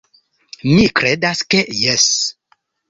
Mi kredas ke jes.